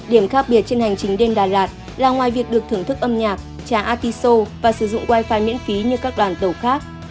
điểm khác biệt trên hành trình đêm đà lạt là ngoài việc được thưởng thức âm nhạc trà artiso và sử dụng wifi miễn phí như các đoàn tàu khác